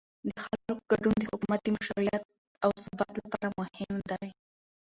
د خلکو ګډون د حکومت د مشروعیت او ثبات لپاره مهم دی